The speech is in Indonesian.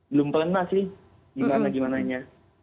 belum pelena sih gimana gimananya